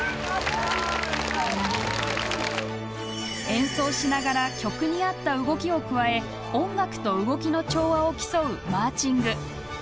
演奏しながら曲に合った動きを加え音楽と動きの調和を競うマーチング。